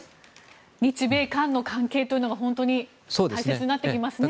日米韓の関係というのが本当に大切になってきますね